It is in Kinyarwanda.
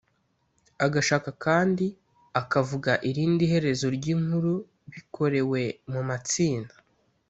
agashaka kandi akavuga irindi herezo ry’inkuru bikorewe mu matsinda ;